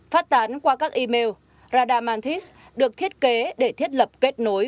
phát tán qua các email radamathis được thiết kế để thiết lập kết nối